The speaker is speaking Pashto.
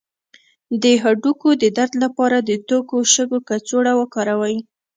د هډوکو د درد لپاره د تودو شګو کڅوړه وکاروئ